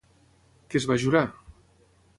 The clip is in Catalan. Què es va jurar?